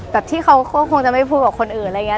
ที่เขาก็คงจะไม่พูดกับคนอื่นอะไรอย่างนี้